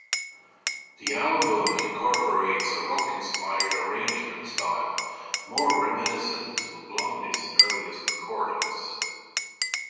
The album incorporates a rock-inspired arrangement style more reminiscent of Blondie's earliest recordings.